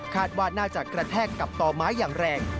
ว่าน่าจะกระแทกกับต่อไม้อย่างแรง